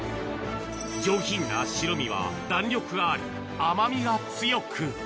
上品な白身は弾力があり、甘みが強く。